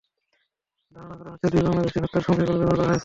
ধারণা করা হচ্ছে, দুই বাংলাদেশিকে হত্যার সময় এগুলো ব্যবহার করা হয়েছিল।